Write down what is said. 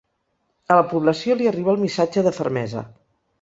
A la població li arriba el missatge de fermesa.